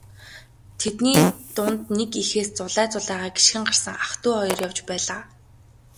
Тэдний дунд нэг эхээс зулай зулайгаа гишгэн гарсан ах дүү хоёр явж байлаа.